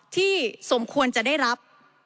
สมควรจะได้รับ